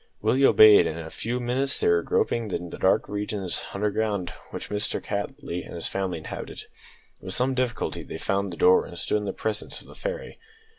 Willie obeyed, and in a few minutes they were groping in the dark regions underground which Mr Cattley and his family inhabited. With some difficulty they found the door, and stood in the presence of "the fairy."